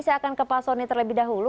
saya akan ke pak soni terlebih dahulu